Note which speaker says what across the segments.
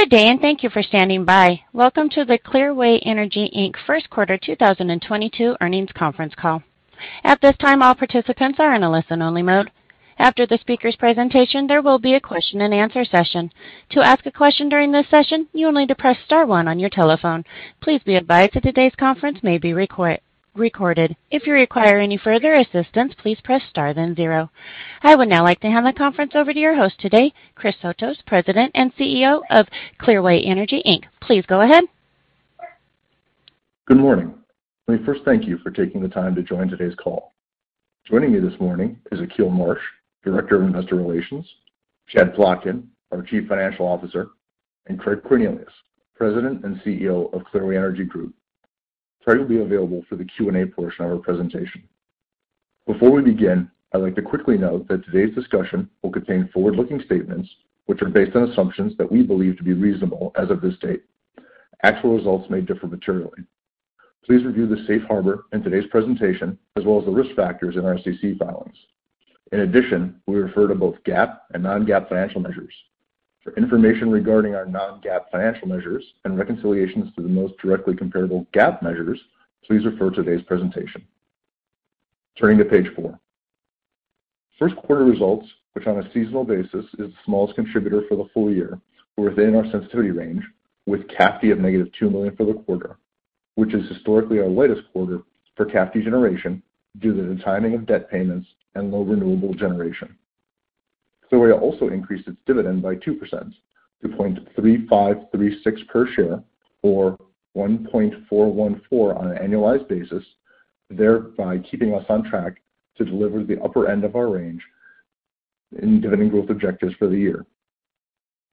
Speaker 1: Good day and thank you for standing by. Welcome to the Clearway Energy, Inc. First Quarter 2022 earnings conference call. At this time, all participants are in a listen-only mode. After the speaker's presentation, there will be a question-and-answer session. To ask a question during this session, you will need to press star one on your telephone. Please be advised that today's conference may be recorded. If you require any further assistance, please press star, then zero. I would now like to hand the conference over to your host today, Christopher Sotos, President and CEO of Clearway Energy, Inc. Please go ahead.
Speaker 2: Good morning. Let me first thank you for taking the time to join today's call. Joining me this morning is Akil Marsh, Director of Investor Relations, Chad Plotkin, our Chief Financial Officer, and Craig Cornelius, President and CEO of Clearway Energy Group. Craig will be available for the Q&A portion of our presentation. Before we begin, I'd like to quickly note that today's discussion will contain forward-looking statements which are based on assumptions that we believe to be reasonable as of this date. Actual results may differ materially. Please review the Safe Harbor in today's presentation as well as the risk factors in our SEC filings. In addition, we refer to both GAAP and non-GAAP financial measures. For information regarding our non-GAAP financial measures and reconciliations to the most directly comparable GAAP measures, please refer to today's presentation. Turning to page four. First quarter results, which on a seasonal basis is the smallest contributor for the full year, were within our sensitivity range with CAFD of -$2 million for the quarter, which is historically our lightest quarter for CAFD generation due to the timing of debt payments and low renewable generation. Clearway also increased its dividend by 2% to $0.3536 per share, or $1.414 on an annualized basis, thereby keeping us on track to deliver the upper end of our range in dividend growth objectives for the year.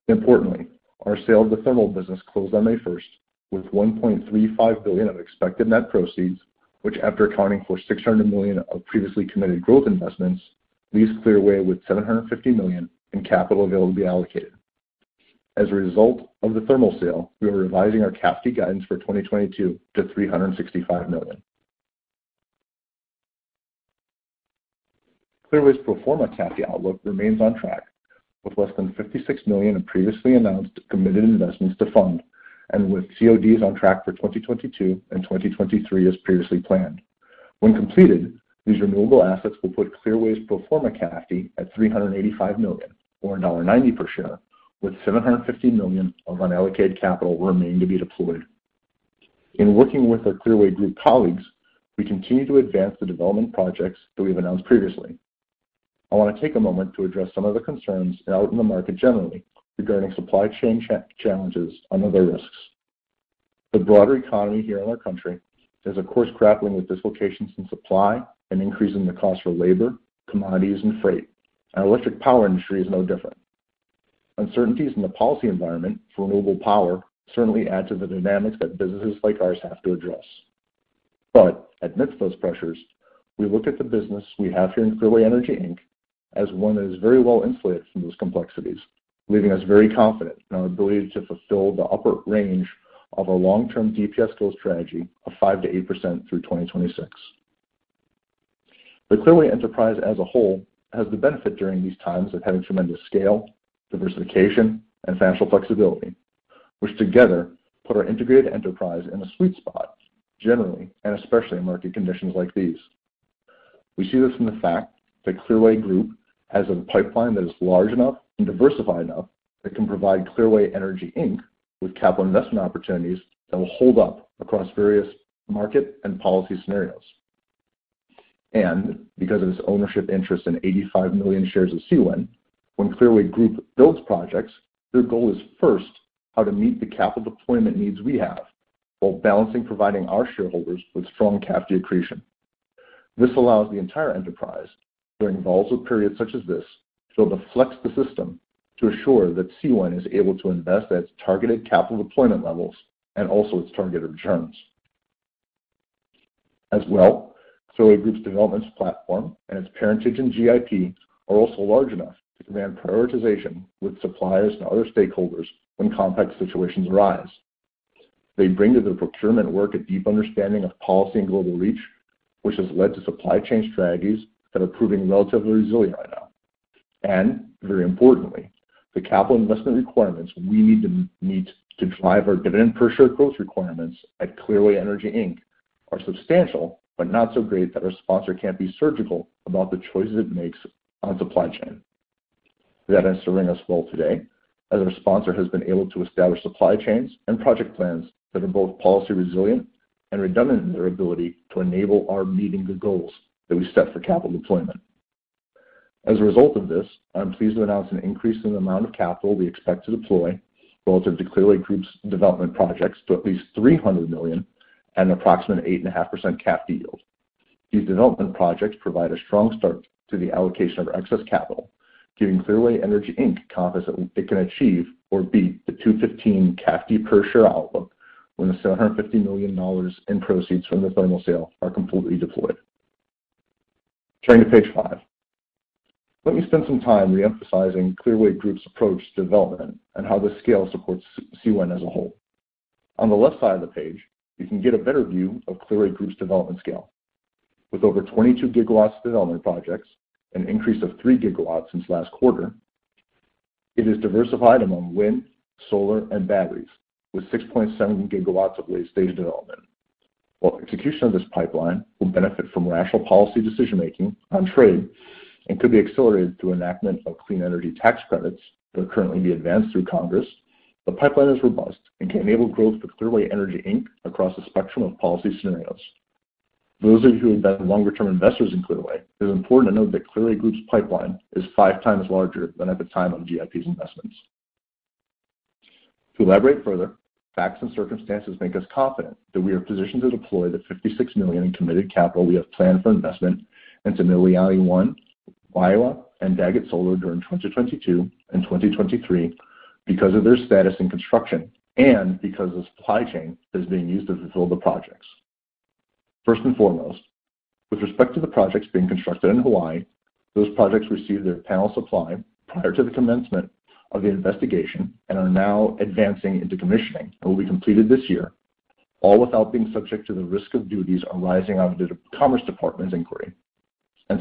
Speaker 2: Importantly, our sale of the thermal business closed on May 1st with $1.35 billion of expected net proceeds, which, after accounting for $600 million of previously committed growth investments, leaves Clearway with $750 million in capital available to be allocated. As a result of the thermal sale, we are revising our CAFD guidance for 2022 to $365 million. Clearway's pro forma CAFD outlook remains on track with less than $56 million of previously announced committed investments to fund, and with CODs on track for 2022 and 2023 as previously planned. When completed, these renewable assets will put Clearway's pro forma CAFD at $385 million, or $90 per share, with $750 million of unallocated capital remaining to be deployed. In working with our Clearway Group colleagues, we continue to advance the development projects that we've announced previously. I want to take a moment to address some of the concerns out in the market generally regarding supply chain challenges and other risks. The broader economy here in our country is of course grappling with dislocations in supply and increase in the cost for labor, commodities, and freight. Our electric power industry is no different. Uncertainties in the policy environment for renewable power certainly add to the dynamics that businesses like ours have to address. Amidst those pressures, we look at the business we have here in Clearway Energy, Inc. as one that is very well insulated from those complexities, leaving us very confident in our ability to fulfill the upper range of our long-term DPS growth strategy of 5% to 8% through 2026. The Clearway enterprise as a whole has the benefit during these times of having tremendous scale, diversification, and financial flexibility, which together put our integrated enterprise in a sweet spot generally, and especially in market conditions like these. We see this in the fact that Clearway Energy Group has a pipeline that is large enough and diversified enough that can provide Clearway Energy, Inc. with capital investment opportunities that will hold up across various market and policy scenarios. Because of its ownership interest in 85 million shares of CWEN, when Clearway Energy Group builds projects, their goal is first how to meet the capital deployment needs we have while balancing providing our shareholders with strong CAFD accretion. This allows the entire enterprise, during lulls or periods such as this, so to flex the system to assure that CWEN is able to invest at its targeted capital deployment levels and also its targeted returns. As well, Clearway Energy Group's development platform and its parentage in GIP are also large enough to command prioritization with suppliers and other stakeholders when complex situations arise. They bring to their procurement work a deep understanding of policy and global reach, which has led to supply chain strategies that are proving relatively resilient right now. Very importantly, the capital investment requirements we need to meet to drive our dividend per share growth requirements at Clearway Energy, Inc. are substantial, but not so great that our sponsor can't be surgical about the choices it makes on supply chain. That is serving us well today, as our sponsor has been able to establish supply chains and project plans that are both policy resilient and redundant in their ability to enable our meeting the goals that we set for capital deployment. As a result of this, I'm pleased to announce an increase in the amount of capital we expect to deploy relative to Clearway Energy Group's development projects to at least $300 million and an approximate 8.5% CAFD yield. These development projects provide a strong start to the allocation of our excess capital, giving Clearway Energy, Inc. confidence that it can achieve or beat the $2.15 CAFD per share outlook when the $750 million in proceeds from the thermal sale are completely deployed. Turning to page five. Let me spend some time re-emphasizing Clearway Energy Group's approach to development and how this scale supports CWEN as a whole. On the left side of the page, you can get a better view of Clearway Energy Group's development scale. With over 22 gigawatts of development projects, an increase of 3 gigawatts since last quarter, it is diversified among wind, solar, and batteries, with 6.7 gigawatts of late-stage development. While execution of this pipeline will benefit from rational policy decision-making on trade and could be accelerated through enactment of clean energy tax credits that are currently being advanced through Congress, the pipeline is robust and can enable growth for Clearway Energy, Inc. across a spectrum of policy scenarios. For those of you who have been longer-term investors in Clearway, it is important to note that Clearway Energy Group's pipeline is five times larger than at the time of GIP's investments. To elaborate further, facts and circumstances make us confident that we are positioned to deploy the $56 million in committed capital we have planned for investment into Mililani I Solar, Waiāwa Solar, and Daggett Solar during 2022 and 2023 because of their status in construction and because the supply chain is being used to fulfill the projects. First and foremost, with respect to the projects being constructed in Hawaii, those projects received their panel supply prior to the commencement of the investigation and are now advancing into commissioning and will be completed this year, all without being subject to the risk of duties arising out of the Department of Commerce's inquiry.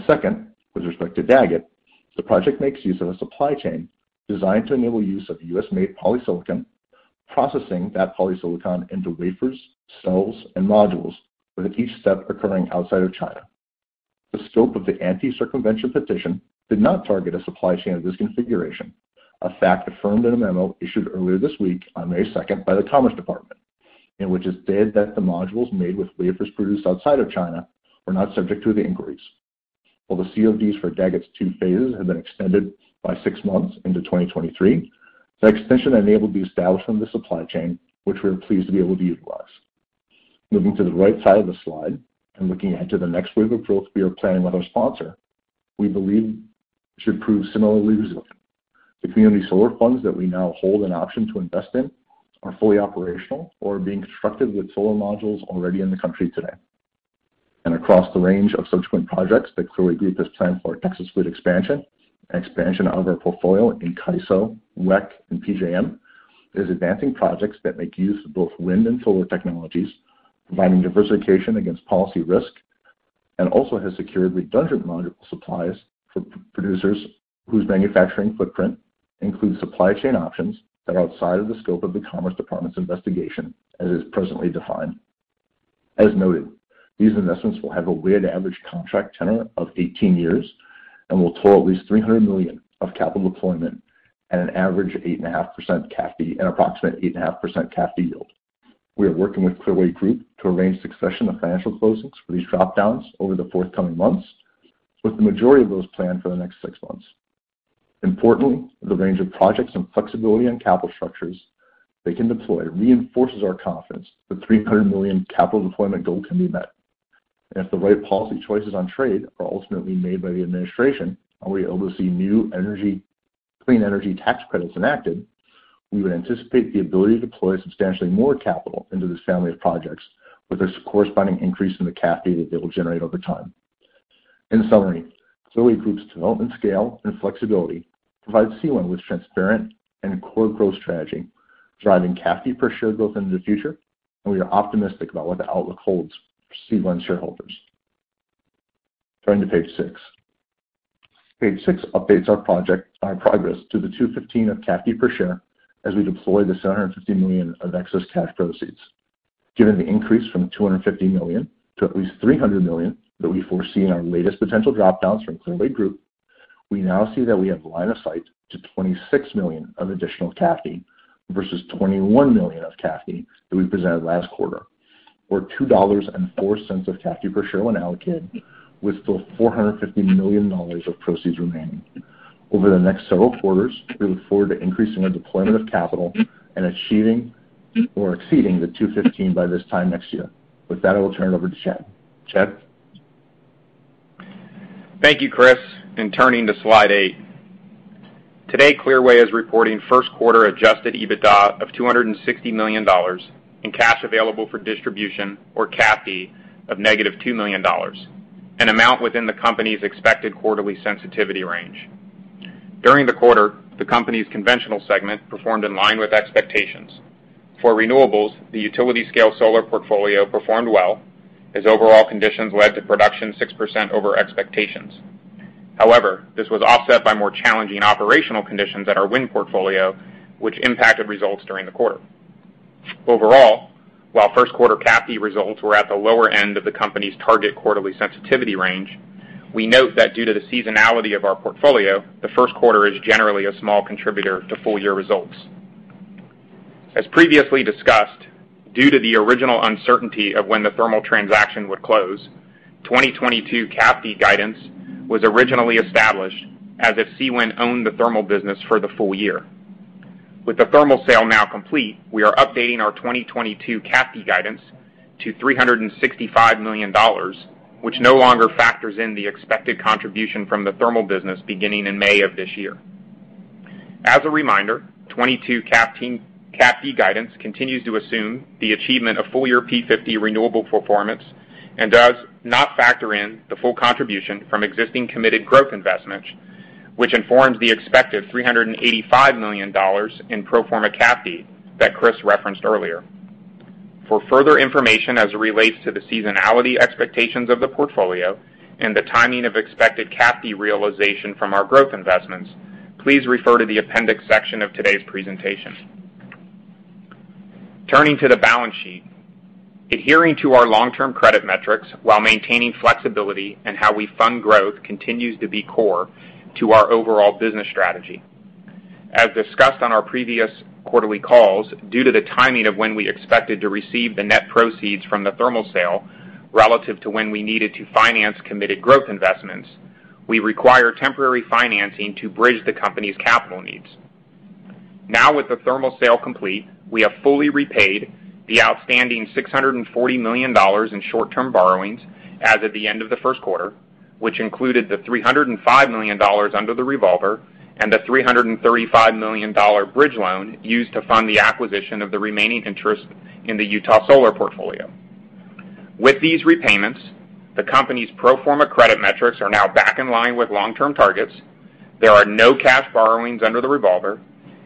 Speaker 2: Second, with respect to Daggett, the project makes use of a supply chain designed to enable use of U.S.-made polysilicon, processing that polysilicon into wafers, cells, and modules, with each step occurring outside of China. The scope of the anti-circumvention petition did not target a supply chain of this configuration, a fact affirmed in a memo issued earlier this week on May second by the Commerce Department, in which it said that the modules made with wafers produced outside of China were not subject to the inquiries. While the CODs for Daggett's two phases have been extended by six months into 2023, the extension enabled the establishment of the supply chain, which we are pleased to be able to utilize. Moving to the right side of the slide and looking ahead to the next wave of growth we are planning with our sponsor, we believe should prove similarly resilient. The community solar funds that we now hold an option to invest in are fully operational or are being constructed with solar modules already in the country today. Across the range of subsequent projects that Clearway Energy Group has planned for Texas wind expansion and expansion of their portfolio in CAISO, WECC, and PJM is advancing projects that make use of both wind and solar technologies, providing diversification against policy risk, and also has secured redundant module supplies for PV producers whose manufacturing footprint includes supply chain options that are outside of the scope of the Commerce Department's investigation, as is presently defined. As noted, these investments will have a weighted average contract tenure of 18 years and will total at least $300 million of capital deployment at an average 8.5% CAFD, an approximate 8.5% CAFD yield. We are working with Clearway Energy Group to arrange succession of financial closings for these drop-downs over the forthcoming months, with the majority of those planned for the next six months. Importantly, the range of projects and flexibility on capital structures they can deploy reinforces our confidence the $300 million capital deployment goal can be met. If the right policy choices on trade are ultimately made by the administration, and we are able to see new energy, clean energy tax credits enacted, we would anticipate the ability to deploy substantially more capital into this family of projects with a corresponding increase in the CAFD that they will generate over time. In summary, Clearway Group's development scale and flexibility provides CWEN with transparent and core growth strategy, driving CAFD per share growth into the future, and we are optimistic about what the outlook holds for CWEN shareholders. Turning to page six. Page six updates our project, our progress to the $2.15 of CAFD per share as we deploy the $750 million of excess cash proceeds. Given the increase from $250 million to at least $300 million that we foresee in our latest potential drop-downs from Clearway Energy Group, we now see that we have line of sight to $26 million of additional CAFD versus $21 million of CAFD that we presented last quarter, or $2.04 of CAFD per share when allocated, with still $450 million of proceeds remaining. Over the next several quarters, we look forward to increasing our deployment of capital and achieving or exceeding the $2.15 by this time next year. With that, I will turn it over to Chad. Chad?
Speaker 3: Thank you, Chris. In turning to slide eight, today Clearway is reporting first quarter adjusted EBITDA of $260 million and cash available for distribution or CAFD of -$2 million, an amount within the company's expected quarterly sensitivity range. During the quarter, the company's conventional segment performed in line with expectations. For renewables, the utility scale solar portfolio performed well as overall conditions led to production 6% over expectations. However, this was offset by more challenging operational conditions at our wind portfolio, which impacted results during the quarter. Overall, while first quarter CAFD results were at the lower end of the company's target quarterly sensitivity range, we note that due to the seasonality of our portfolio, the first quarter is generally a small contributor to full-year results. As previously discussed, due to the original uncertainty of when the thermal transaction would close, 2022 CAFD guidance was originally established as if CWEN owned the thermal business for the full year. With the thermal sale now complete, we are updating our 2022 CAFD guidance to $365 million, which no longer factors in the expected contribution from the thermal business beginning in May of this year. As a reminder, 2022 CAFD guidance continues to assume the achievement of full-year P50 renewable performance and does not factor in the full contribution from existing committed growth investments, which informs the expected $385 million in pro forma CAFD that Chris referenced earlier. For further information as it relates to the seasonality expectations of the portfolio and the timing of expected CAFD realization from our growth investments, please refer to the appendix section of today's presentation. Turning to the balance sheet. Adhering to our long-term credit metrics while maintaining flexibility and how we fund growth continues to be core to our overall business strategy. As discussed on our previous quarterly calls, due to the timing of when we expected to receive the net proceeds from the thermal sale relative to when we needed to finance committed growth investments, we require temporary financing to bridge the company's capital needs. Now, with the thermal sale complete, we have fully repaid the outstanding $640 million in short-term borrowings as of the end of the first quarter, which included the $305 million under the revolver and the $335 million dollar bridge loan used to fund the acquisition of the remaining interest in the Utah solar portfolio. With these repayments, the company's pro forma credit metrics are now back in line with long-term targets. There are no cash borrowings under the revolver,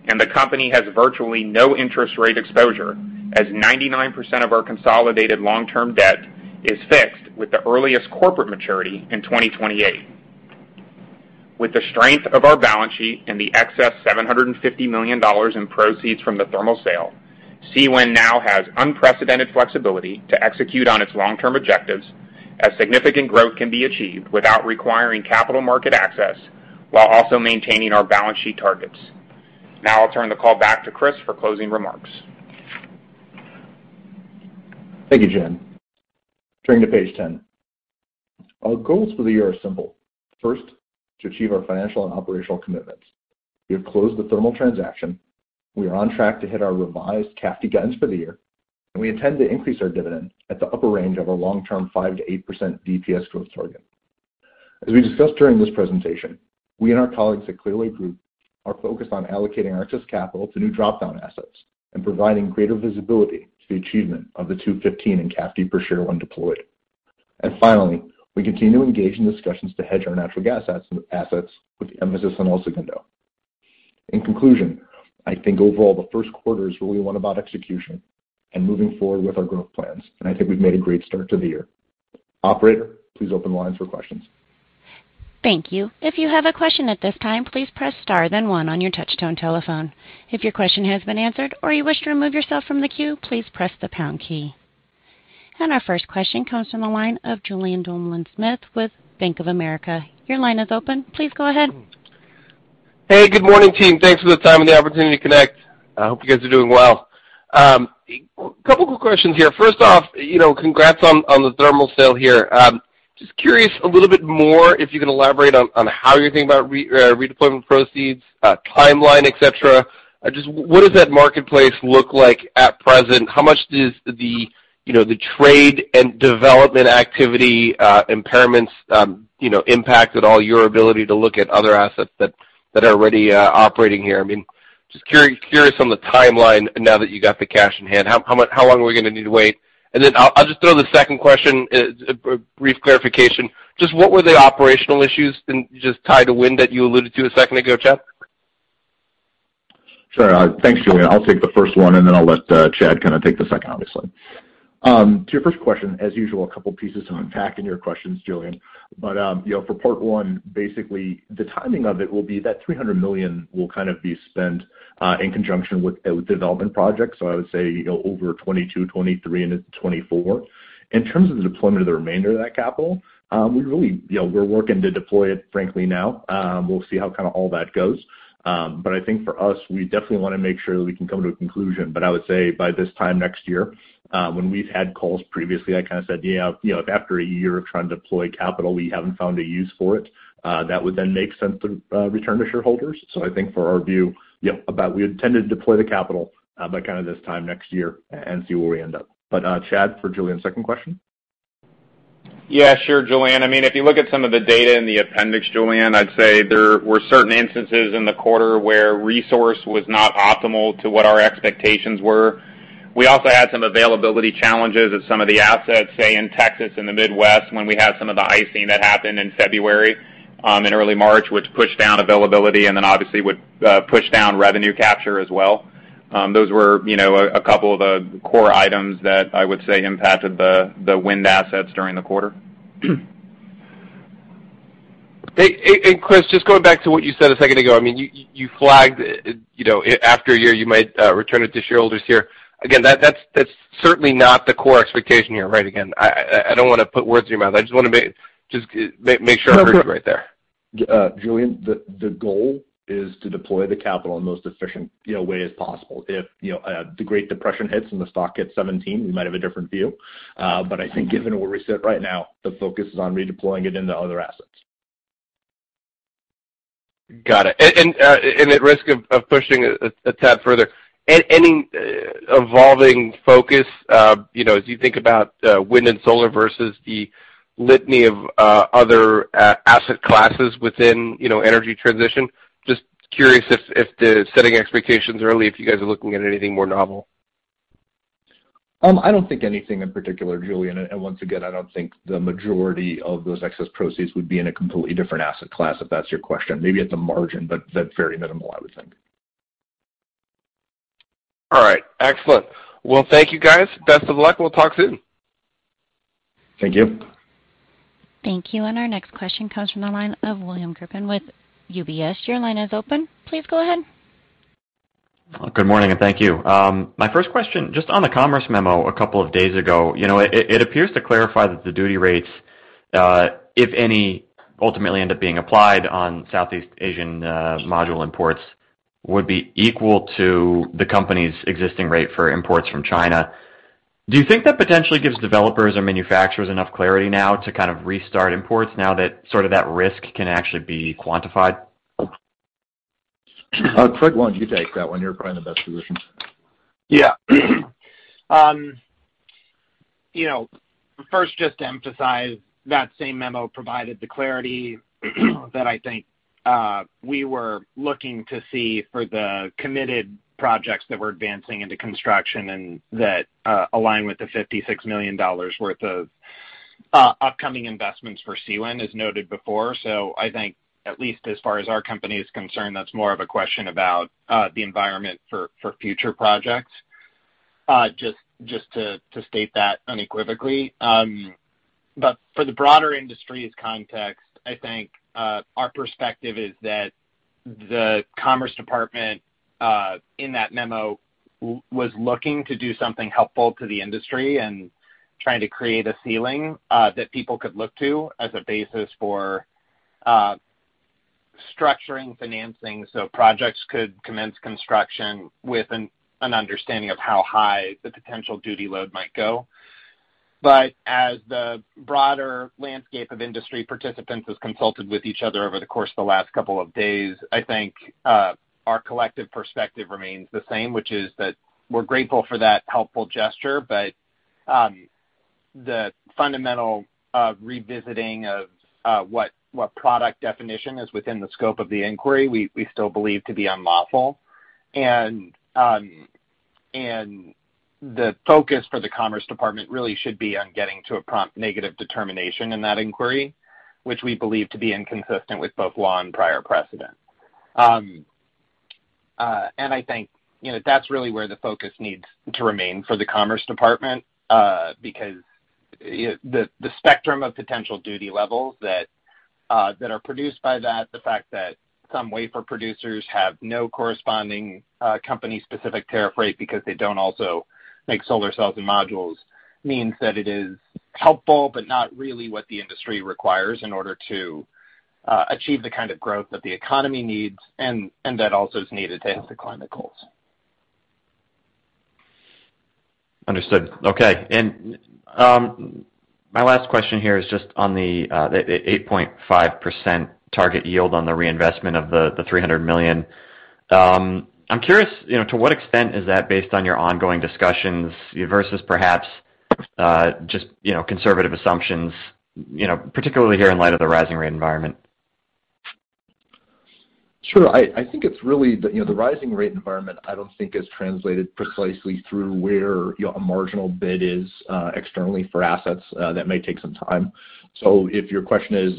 Speaker 3: and the company has virtually no interest rate exposure, as 99% of our consolidated long-term debt is fixed with the earliest corporate maturity in 2028. With the strength of our balance sheet and the excess $750 million in proceeds from the thermal sale, CWEN now has unprecedented flexibility to execute on its long-term objectives as significant growth can be achieved without requiring capital market access while also maintaining our balance sheet targets. Now I'll turn the call back to Chris for closing remarks.
Speaker 2: Thank you, Chad. Turning to page 10. Our goals for the year are simple. First, to achieve our financial and operational commitments. We have closed the thermal transaction. We are on track to hit our revised CAFD guidance for the year, and we intend to increase our dividend at the upper range of our long-term 5% to 8% DPS growth target. As we discussed during this presentation, we and our colleagues at Clearway Energy Group are focused on allocating our excess capital to new drop-down assets and providing greater visibility to the achievement of the $2.15 in CAFD per share when deployed. Finally, we continue to engage in discussions to hedge our natural gas assets with the emphasis on El Segundo. In conclusion, I think overall, the first quarter is really one about execution and moving forward with our growth plans, and I think we've made a great start to the year. Operator, please open lines for questions.
Speaker 1: Thank you. If you have a question at this time, please press Star, then One on your touch-tone telephone. If your question has been answered or you wish to remove yourself from the queue, please press the pound key. Our first question comes from the line of Julien Dumoulin-Smith with Bank of America. Your line is open. Please go ahead.
Speaker 4: Hey, good morning, team. Thanks for the time and the opportunity to connect. I hope you guys are doing well. Couple quick questions here. First off, you know, congrats on the thermal sale here. Just curious a little bit more if you can elaborate on how you're thinking about redeployment proceeds, timeline, et cetera. Just what does that marketplace look like at present? How much does the, you know, the trade and development activity, impairments, you know, impact at all your ability to look at other assets that are already operating here? I mean, just curious on the timeline now that you got the cash in hand, how long are we gonna need to wait? Then I'll just throw the second question. It's a brief clarification. Just what were the operational issues just tied to wind that you alluded to a second ago, Chad?
Speaker 2: Sure. Thanks, Julien. I'll take the first one, and then I'll let Chad kinda take the second, obviously. To your first question, as usual, a couple pieces to unpack in your questions, Julien. You know, for part one, basically the timing of it will be that $300 million will kind of be spent in conjunction with a development project. I would say, you know, over 2022, 2023, and into 2024. In terms of the deployment of the remainder of that capital, we really, you know, we're working to deploy it frankly now. We'll see how kinda all that goes. I think for us, we definitely wanna make sure that we can come to a conclusion. I would say by this time next year, when we've had calls previously, I kinda said, "Yeah, you know, if after a year of trying to deploy capital, we haven't found a use for it, that would then make sense to return to shareholders." I think for our view, yep, as we intended to deploy the capital by kinda this time next year and see where we end up. Chad, for Julien's second question.
Speaker 3: Yeah, sure, Julien. I mean, if you look at some of the data in the appendix, Julien, I'd say there were certain instances in the quarter where resource was not optimal to what our expectations were. We also had some availability challenges at some of the assets, say, in Texas and the Midwest when we had some of the icing that happened in February and early March, which pushed down availability and then obviously would push down revenue capture as well. Those were, you know, a couple of the core items that I would say impacted the wind assets during the quarter.
Speaker 4: Hey, Chris, just going back to what you said a second ago. I mean, you flagged, you know, after a year, you might return it to shareholders here. Again, that's certainly not the core expectation here, right? Again, I don't wanna put words in your mouth. I just wanna make sure I heard you right there.
Speaker 2: Julien, the goal is to deploy the capital in the most efficient, you know, way as possible. If, you know, the Great Depression hits and the stock hits 17, we might have a different view. I think given where we sit right now, the focus is on redeploying it into other assets.
Speaker 4: Got it. At risk of pushing a tad further, any evolving focus, you know, as you think about wind and solar versus the litany of other asset classes within, you know, energy transition, just curious if the setting expectations early, if you guys are looking at anything more novel.
Speaker 2: I don't think anything in particular, Julien. Once again, I don't think the majority of those excess proceeds would be in a completely different asset class, if that's your question. Maybe at the margin, but that's very minimal, I would think.
Speaker 4: All right. Excellent. Well, thank you, guys. Best of luck. We'll talk soon.
Speaker 2: Thank you.
Speaker 1: Thank you. Our next question comes from the line of William Grippin with UBS. Your line is open. Please go ahead.
Speaker 5: Good morning, and thank you. My first question, just on the Commerce memo a couple of days ago. You know, it appears to clarify that the duty rates, if any, ultimately end up being applied on Southeast Asian module imports would be equal to the company's existing rate for imports from China. Do you think that potentially gives developers or manufacturers enough clarity now to kind of restart imports now that sort of that risk can actually be quantified?
Speaker 2: Craig, why don't you take that one? You're probably the best positioned.
Speaker 6: Yeah. You know, first, just to emphasize, that same memo provided the clarity that I think we were looking to see for the committed projects that we're advancing into construction and that align with the $56 million worth of upcoming investments for CWEN as noted before. So I think at least as far as our company is concerned, that's more of a question about the environment for future projects, just to state that unequivocally. For the broader industry's context, I think our perspective is that the Commerce Department in that memo was looking to do something helpful to the industry and trying to create a ceiling that people could look to as a basis for structuring financing so projects could commence construction with an understanding of how high the potential duty load might go. As the broader landscape of industry participants has consulted with each other over the course of the last couple of days, I think our collective perspective remains the same, which is that we're grateful for that helpful gesture, but the fundamental revisiting of what product definition is within the scope of the inquiry, we still believe to be unlawful. The focus for the Commerce Department really should be on getting to a prompt negative determination in that inquiry, which we believe to be inconsistent with both law and prior precedent. I think, you know, that's really where the focus needs to remain for the Commerce Department, because the spectrum of potential duty levels that are produced by that, the fact that some wafer producers have no corresponding company-specific tariff rate because they don't also make solar cells and modules means that it is helpful but not really what the industry requires in order to achieve the kind of growth that the economy needs and that also is needed to hit the climate goals.
Speaker 5: Understood. Okay. My last question here is just on the 8.5% target yield on the reinvestment of the $300 million. I'm curious, you know, to what extent is that based on your ongoing discussions versus perhaps just, you know, conservative assumptions, you know, particularly here in light of the rising rate environment?
Speaker 2: Sure. I think it's really you know the rising rate environment I don't think is translated precisely through where you know a marginal bid is externally for assets. That may take some time. If your question is,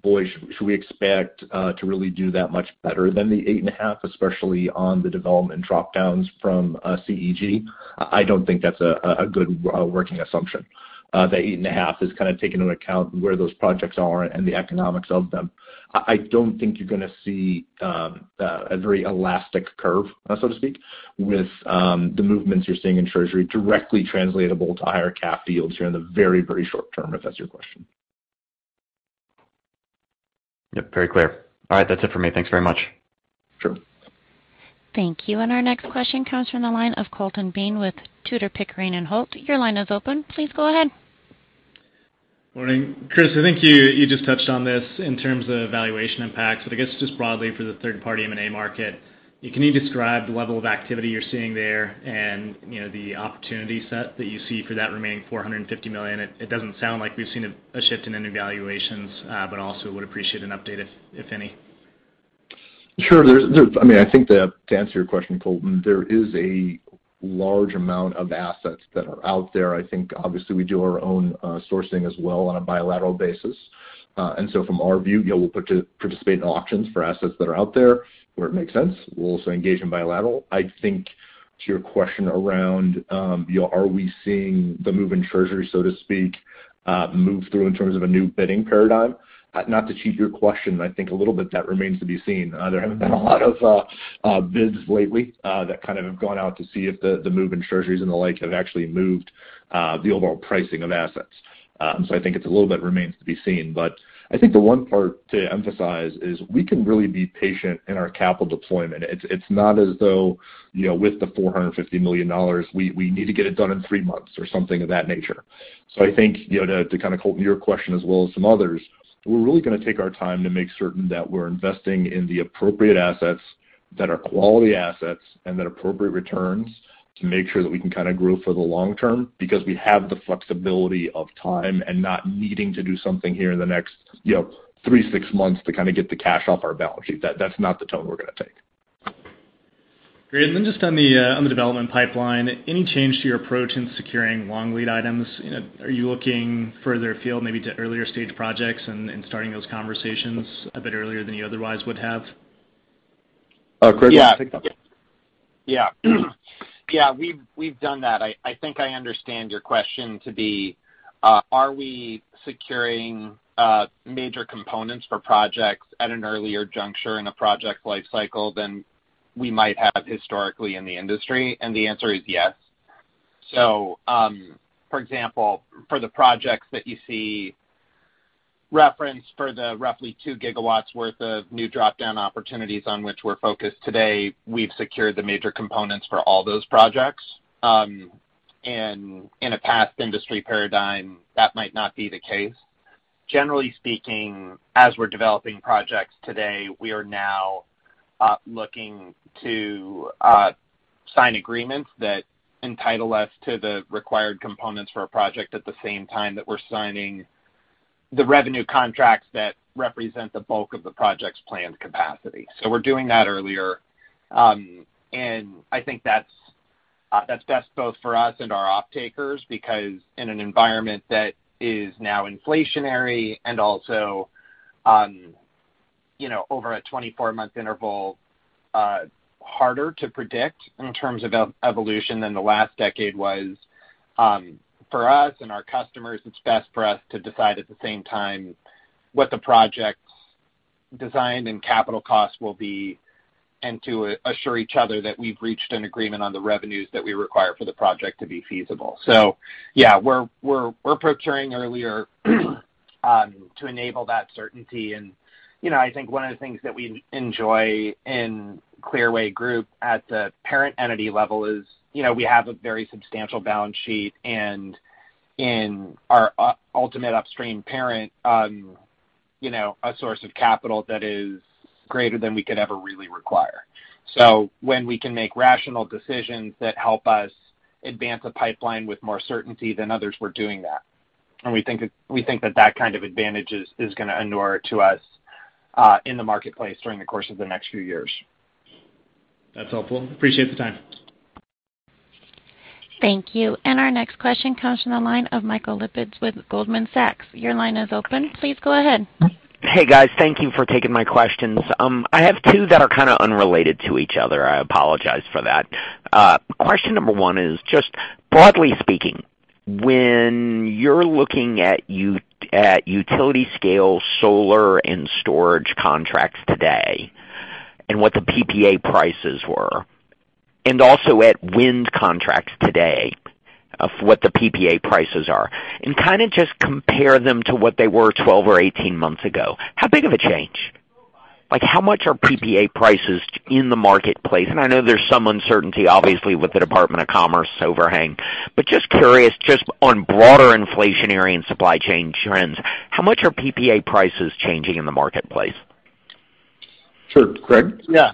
Speaker 2: boy, should we expect to really do that much better than the 8.5%, especially on the development drop-downs from CEG, I don't think that's a good working assumption. That 8.5% is kinda taking into account where those projects are and the economics of them. I don't think you're gonna see a very elastic curve so to speak with the movements you're seeing in Treasury directly translatable to higher cap deals here in the very very short term, if that's your question.
Speaker 5: Yep, very clear. All right, that's it for me. Thanks very much.
Speaker 2: Sure.
Speaker 1: Thank you. Our next question comes from the line of Colton Bean with Tudor, Pickering, Holt & Co. Your line is open. Please go ahead.
Speaker 7: Morning. Chris, I think you just touched on this in terms of valuation impact. I guess just broadly for the third-party M&A market, can you describe the level of activity you're seeing there and, you know, the opportunity set that you see for that remaining $450 million? It doesn't sound like we've seen a shift in any valuations, but also would appreciate an update if any.
Speaker 2: Sure. I mean, I think to answer your question, Colton, there is a large amount of assets that are out there. I think obviously we do our own sourcing as well on a bilateral basis. From our view, you know, we'll participate in auctions for assets that are out there where it makes sense. We'll also engage in bilateral. I think to your question around, you know, are we seeing the move in Treasuries, so to speak, move through in terms of a new bidding paradigm, not to cheat your question, I think a little bit that remains to be seen. There haven't been a lot of bids lately that kind of have gone out to see if the move in Treasuries and the like have actually moved the overall pricing of assets. I think it's a little bit remains to be seen. I think the one part to emphasize is we can really be patient in our capital deployment. It's not as though, you know, with the $450 million, we need to get it done in three months or something of that nature. I think, you know, to kinda, Colton, your question as well as some others, we're really gonna take our time to make certain that we're investing in the appropriate assets that are quality assets and that appropriate returns to make sure that we can kinda grow for the long term because we have the flexibility of time and not needing to do something here in the next, you know, three, six months to kinda get the cash off our balance sheet. That's not the tone we're gonna take.
Speaker 7: Great. Just on the development pipeline, any change to your approach in securing long lead items? You know, are you looking further afield maybe to earlier stage projects and starting those conversations a bit earlier than you otherwise would have?
Speaker 2: Craig, do you want to take that?
Speaker 6: Yeah. We've done that. I think I understand your question to be, are we securing major components for projects at an earlier juncture in a project life cycle than we might have historically in the industry? The answer is yes. For example, for the projects that you see referenced for the roughly 2 gigawatts worth of new drop-down opportunities on which we're focused today, we've secured the major components for all those projects. In a past industry paradigm, that might not be the case. Generally speaking, as we're developing projects today, we are now looking to sign agreements that entitle us to the required components for a project at the same time that we're signing the revenue contracts that represent the bulk of the project's planned capacity. We're doing that earlier. I think that's best both for us and our off-takers because in an environment that is now inflationary and also, you know, over a 24-month interval, harder to predict in terms of evolution than the last decade was, for us and our customers, it's best for us to decide at the same time what the project's design and capital costs will be and to assure each other that we've reached an agreement on the revenues that we require for the project to be feasible. Yeah, we're procuring earlier, to enable that certainty. I think one of the things that we enjoy in Clearway Energy Group at the parent entity level is, you know, we have a very substantial balance sheet, and in our ultimate upstream parent, you know, a source of capital that is greater than we could ever really require. When we can make rational decisions that help us advance a pipeline with more certainty than others, we're doing that. We think that that kind of advantage is gonna inure to us, in the marketplace during the course of the next few years.
Speaker 7: That's helpful. Appreciate the time.
Speaker 1: Thank you. Our next question comes from the line of Michael Lapides with Goldman Sachs. Your line is open. Please go ahead.
Speaker 8: Hey, guys. Thank you for taking my questions. I have two that are kinda unrelated to each other. I apologize for that. Question number one is just broadly speaking, when you're looking at utility scale solar and storage contracts today and what the PPA prices were, and also at wind contracts today of what the PPA prices are, and kinda just compare them to what they were 12 or 18 months ago, how big of a change? Like, how much are PPA prices in the marketplace? I know there's some uncertainty obviously with the Department of Commerce overhang, but just curious, just on broader inflationary and supply chain trends, how much are PPA prices changing in the marketplace?
Speaker 2: Sure. Craig?
Speaker 6: Yeah,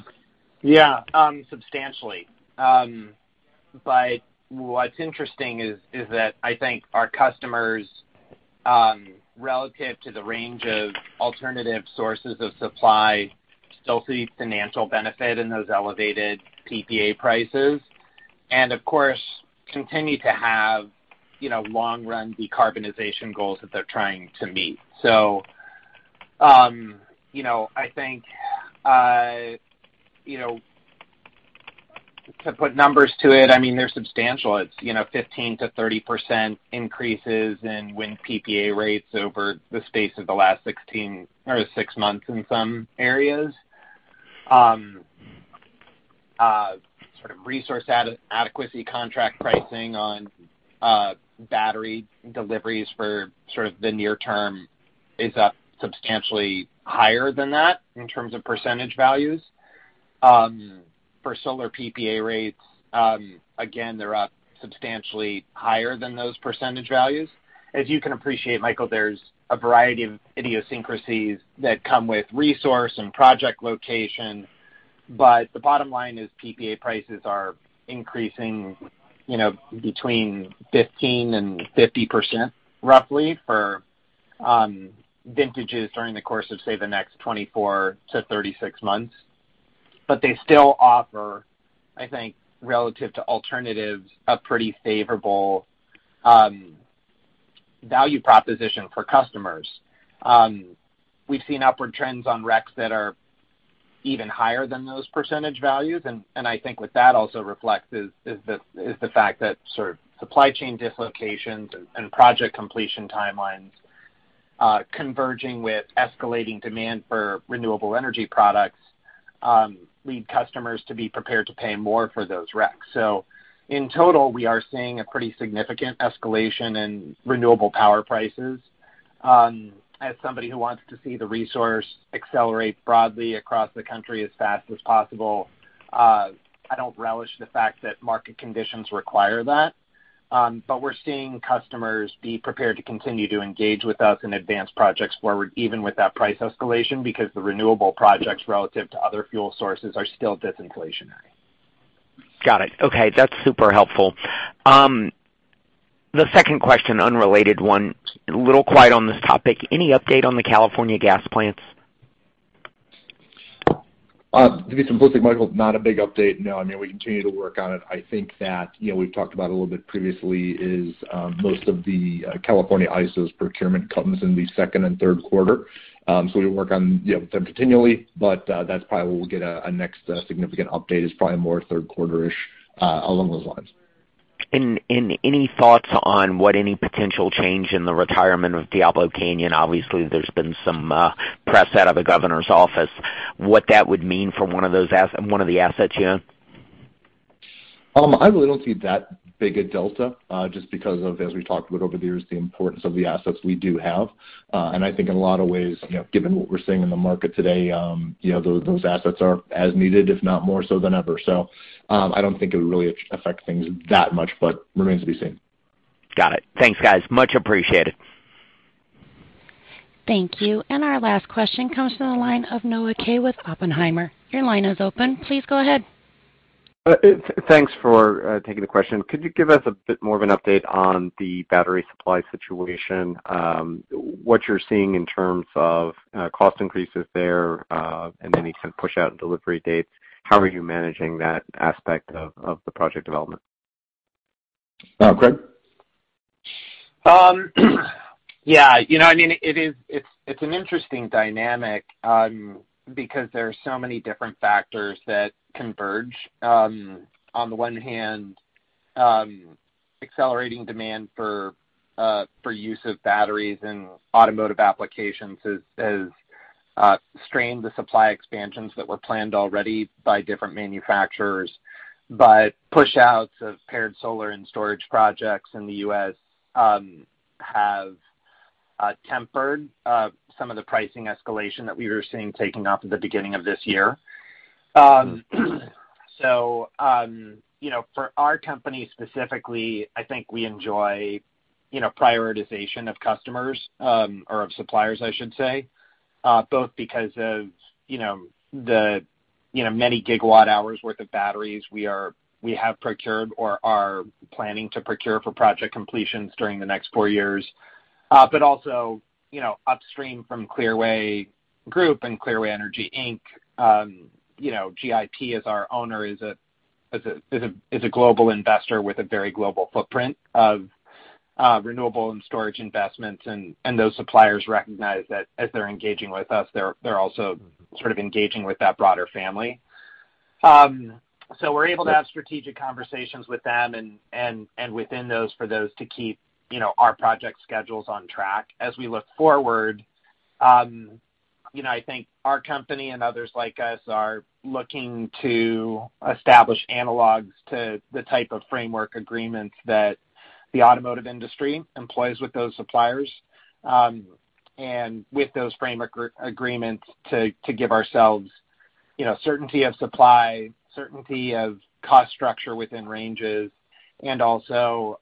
Speaker 6: substantially. What's interesting is that I think our customers, relative to the range of alternative sources of supply, still see financial benefit in those elevated PPA prices and of course continue to have, you know, long run decarbonization goals that they're trying to meet. You know, I think, you know, to put numbers to it, I mean, they're substantial. It's, you know, 15% to 30% increases in wind PPA rates over the space of the last 16 or six months in some areas. Sort of resource adequacy contract pricing on battery deliveries for sort of the near term is substantially higher than that in terms of percentage values. For solar PPA rates, again, they're up substantially higher than those percentage values. As you can appreciate, Michael, there's a variety of idiosyncrasies that come with resource and project location, but the bottom line is PPA prices are increasing, you know, between 15%-50% roughly for vintages during the course of, say, the next 24 to 36 months. They still offer, I think, relative to alternatives, a pretty favorable value proposition for customers. We've seen upward trends on RECs that are even higher than those percentage values. I think what that also reflects is the fact that sort of supply chain dislocations and project completion timelines converging with escalating demand for renewable energy products lead customers to be prepared to pay more for those RECs. In total, we are seeing a pretty significant escalation in renewable power prices. As somebody who wants to see the resource accelerate broadly across the country as fast as possible, I don't relish the fact that market conditions require that. We're seeing customers be prepared to continue to engage with us and advance projects forward even with that price escalation because the renewable projects relative to other fuel sources are still disinflationary.
Speaker 8: Got it. Okay, that's super helpful. The second question, unrelated one. A little quiet on this topic. Any update on the California gas plants?
Speaker 2: To be simplistic, Michael, not a big update. No. I mean, we continue to work on it. I think that, you know, we've talked about a little bit previously is, most of the California ISO's procurement comes in the second and third quarter. We work on, you know, with them continually, but that's probably where we'll get a next significant update is probably more third quarter-ish, along those lines.
Speaker 8: Any thoughts on what any potential change in the retirement of Diablo Canyon, obviously there's been some press out of the governor's office, what that would mean for one of those one of the assets you own?
Speaker 2: I really don't see that big a delta, just because of, as we talked about over the years, the importance of the assets we do have. I think in a lot of ways, you know, given what we're seeing in the market today, you know, those assets are as needed, if not more so than ever. I don't think it would really affect things that much, but remains to be seen.
Speaker 8: Got it. Thanks, guys. Much appreciated.
Speaker 1: Thank you. Our last question comes from the line of Noah Kaye with Oppenheimer. Your line is open. Please go ahead.
Speaker 9: Thanks for taking the question. Could you give us a bit more of an update on the battery supply situation, what you're seeing in terms of cost increases there, and any kind of push out in delivery dates? How are you managing that aspect of the project development?
Speaker 2: Craig?
Speaker 6: Yeah. You know, I mean, it's an interesting dynamic because there are so many different factors that converge. On the one hand, accelerating demand for use of batteries in automotive applications has strained the supply expansions that were planned already by different manufacturers. Push outs of paired solar and storage projects in the U.S. have tempered some of the pricing escalation that we were seeing taking off at the beginning of this year. You know, for our company specifically, I think we enjoy, you know, prioritization of customers or of suppliers, I should say, both because of, you know, the, you know, many gigawatt-hours worth of batteries we have procured or are planning to procure for project completions during the next four years. Also, you know, upstream from Clearway Energy Group and Clearway Energy, Inc., you know, GIP as our owner is a global investor with a very global footprint of renewable and storage investments. Those suppliers recognize that as they're engaging with us, they're also sort of engaging with that broader family. We're able to have strategic conversations with them and within those for those to keep, you know, our project schedules on track. As we look forward, you know, I think our company and others like us are looking to establish analogs to the type of framework agreements that the automotive industry employs with those suppliers. With those framework agreements to give ourselves, you know, certainty of supply, certainty of cost structure within ranges, and also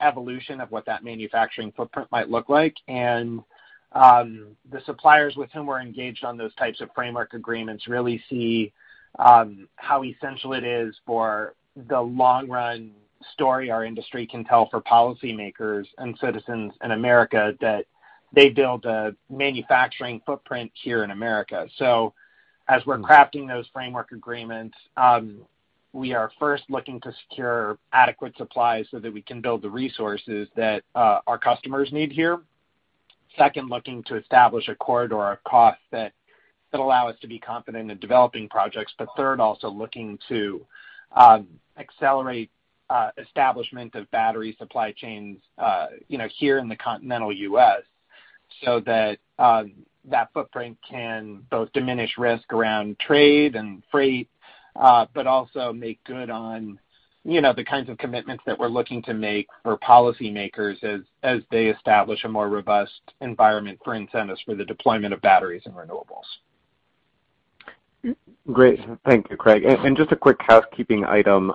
Speaker 6: evolution of what that manufacturing footprint might look like. The suppliers with whom we're engaged on those types of framework agreements really see how essential it is for the long run story our industry can tell for policymakers and citizens in America that they build a manufacturing footprint here in America. As we're crafting those framework agreements, we are first looking to secure adequate supply so that we can build the resources that our customers need here. Second, looking to establish a corridor of cost that allow us to be confident in developing projects. Third, also looking to accelerate establishment of battery supply chains, you know, here in the continental U.S. so that that footprint can both diminish risk around trade and freight, but also make good on, you know, the kinds of commitments that we're looking to make for policymakers as they establish a more robust environment for incentives for the deployment of batteries and renewables.
Speaker 9: Great. Thank you, Craig. Just a quick housekeeping item,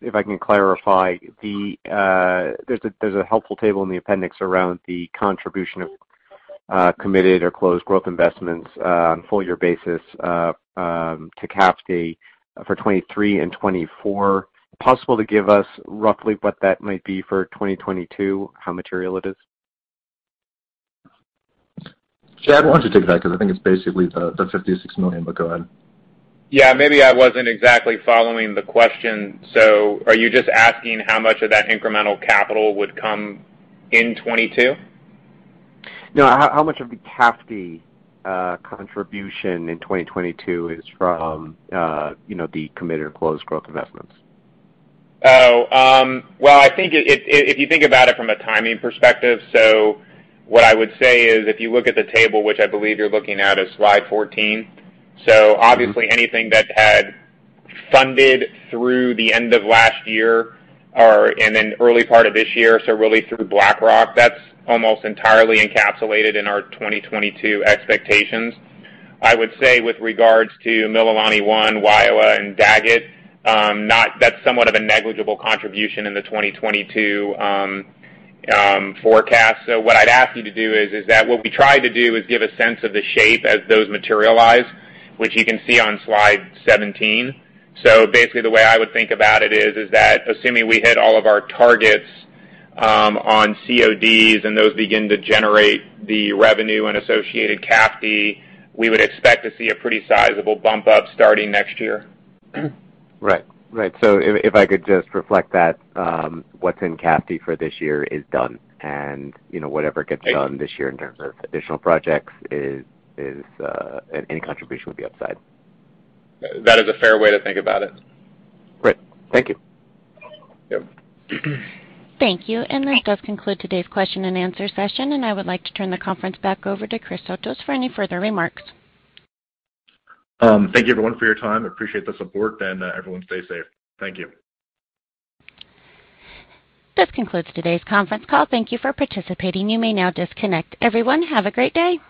Speaker 9: if I can clarify, there's a helpful table in the appendix around the contribution of committed or closed growth investments on full year basis to CAFD for 2023 and 2024. Possible to give us roughly what that might be for 2022, how material it is?
Speaker 2: Chad, why don't you take that? 'Cause I think it's basically the $56 million, but go ahead.
Speaker 3: Yeah, maybe I wasn't exactly following the question. Are you just asking how much of that incremental capital would come in 2022?
Speaker 9: No, how much of the CAFD contribution in 2022 is from you know, the committed or closed growth investments?
Speaker 3: Well, I think, if you think about it from a timing perspective, what I would say is if you look at the table, which I believe you're looking at, is slide 14. Obviously anything that had funded through the end of last year or in early part of this year, really through BlackRock, that's almost entirely encapsulated in our 2022 expectations. I would say with regards to Mililani I, Waiāwa, and Daggett, that's somewhat of a negligible contribution in the 2022 forecast. What I'd ask you to do is that what we try to do is give a sense of the shape as those materialize, which you can see on slide 17. Basically, the way I would think about it is that assuming we hit all of our targets on CODs and those begin to generate the revenue and associated CAFD, we would expect to see a pretty sizable bump up starting next year.
Speaker 9: Right. If I could just reflect that, what's in CAFD for this year is done. You know, whatever gets done this year in terms of additional projects is any contribution would be upside.
Speaker 3: That is a fair way to think about it.
Speaker 9: Great. Thank you.
Speaker 3: Yep.
Speaker 1: Thank you. This does conclude today's question and answer session, and I would like to turn the conference back over to Christopher Sotos for any further remarks.
Speaker 2: Thank you everyone for your time. Appreciate the support and everyone stay safe. Thank you.
Speaker 1: This concludes today's conference call. Thank you for participating. You may now disconnect. Everyone, have a great day.